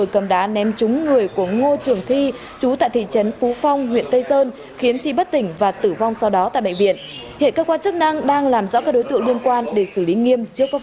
các bạn hãy đăng ký kênh để ủng hộ kênh của chúng mình nhé